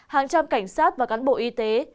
hàng trăm cảnh sát và cán bộ y tế